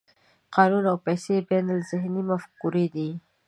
قانون او پیسې بینالذهني مفکورې دي.